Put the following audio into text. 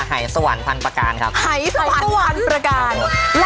ไหสวรรค์พันธุ์ประการครับไหสวรรค์พันธุ์ประการครับครับครับ